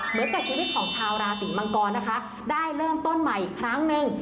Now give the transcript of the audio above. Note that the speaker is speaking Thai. เหมือนกับชีวิตของชาวราศีมังกรนะคะได้เริ่มต้นใหม่อีกครั้งหนึ่ง